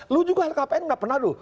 lu juga lkpn nggak pernah lu